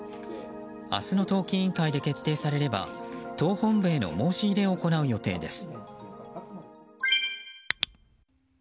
明日の党紀委員会で決定されれば党本部への申し入れを行う予定です。